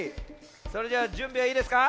それじゃあじゅんびはいいですか？